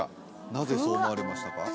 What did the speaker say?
なぜそう思われましたか？